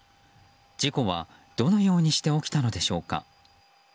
事故は、どのようにして起きたのでしょうか。